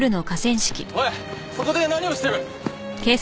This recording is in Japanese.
おいそこで何をしてる？